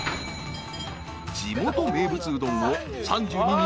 ［地元名物うどんを］